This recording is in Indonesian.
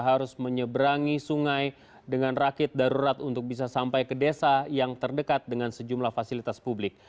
harus menyeberangi sungai dengan rakit darurat untuk bisa sampai ke desa yang terdekat dengan sejumlah fasilitas publik